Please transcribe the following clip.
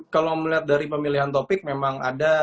kalau melihat dari pemilihan topik memang ada